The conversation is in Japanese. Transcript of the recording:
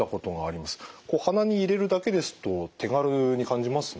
こう鼻に入れるだけですと手軽に感じますよね。